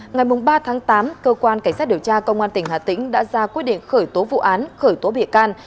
ngày ba tháng tám cơ quan cảnh sát điều tra công an tỉnh hà tĩnh đã ra quyết định khởi tố vụ án khởi tố bị can